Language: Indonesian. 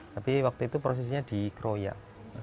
tapi waktu itu prosesnya dikeroyok